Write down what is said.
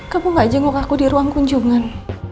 kamu gak jenguk aku di ruang kunjungan